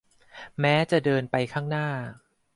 แม้จะเดินไปข้างหน้า